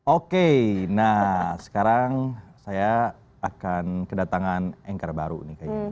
oke nah sekarang saya akan kedatangan anchor baru nih kayaknya